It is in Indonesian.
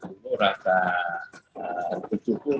itu rata bersyukur